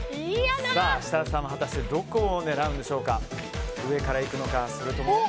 設楽さんはどこを狙うんでしょうか。